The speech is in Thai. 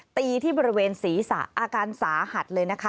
ตีที่บริเวณศรีอาการสาหัสเลย